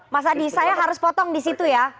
mas adi saya harus potong disitu ya